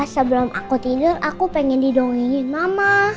sebelum aku tidur aku pengen didongengin mama